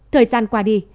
thời gian qua đi